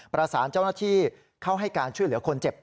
ประสานเจ้าหน้าที่เข้าให้การช่วยเหลือคนเจ็บ